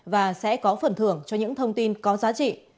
và sẽ có phần thưởng cho những thông tin có giá trị